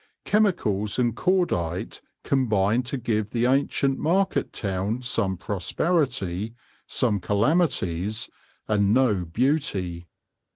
Chemicals and cordite combine to give the ancient market town some prosperity, some calamities, and no beauty.